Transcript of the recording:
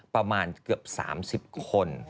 ประมาณเกือบ๓๐คน